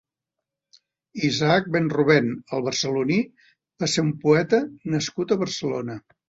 Isaac ben Rovèn, el Barceloní va ser un poeta nascut a Barcelona.